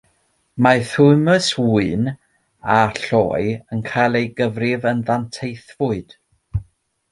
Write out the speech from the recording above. Mae thymws ŵyn a lloi yn cael eu cyfrif yn ddanteithfwyd.